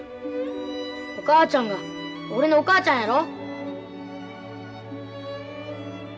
お母ちゃんが俺のお母ちゃんやろ。